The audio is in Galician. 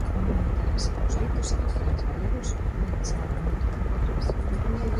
O meu interese nos ditos e refráns galegos vén xa de moito tempo atrás.